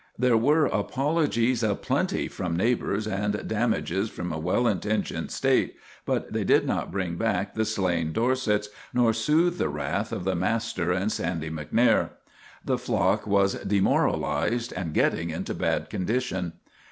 There were apologies aplenty from neighbors and damages from a well intentioned State, but they did not bring back the slain Dorsets nor soothe the wrath of the master and Sandy MacXair. The flock was demoralized and getting into bad condition.